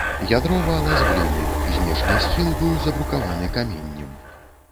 Ядро вала з гліны, знешні схіл быў забрукаваны каменнем.